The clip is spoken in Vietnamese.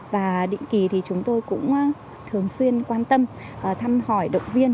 và định kỳ thì chúng tôi cũng thường xuyên quan tâm thăm hỏi động viên